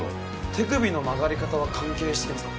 手首の曲がり方は関係してきますか？